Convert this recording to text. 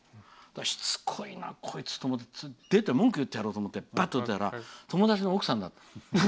しつこいな、こいつと思って出て文句を言ってやろうと思って電話に出たら友達の奥さんだった。